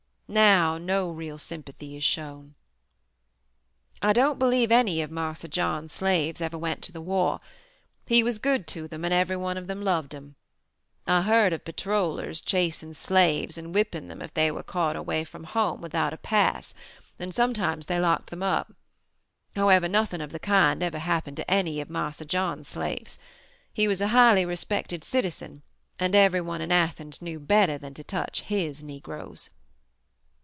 Now, no real sympathy is shown. "I don't believe any of Marse John's slaves ever went to the war. He was good to them and everyone of them loved him. I heard of patterollers chasing slaves and whipping them if they were caught away from home without a pass, and sometimes they locked them up. However, nothing of the kind ever happened to any of Marse John's slaves. He was a highly respected citizen and everyone in Athens knew better than to touch his Negroes.